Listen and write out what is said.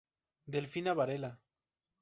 Delfina Varela.